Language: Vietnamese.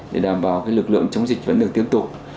để đảm bảo lực lượng chống dịch vẫn được tiếp tục